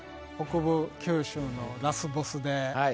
北部九州のラスボスで。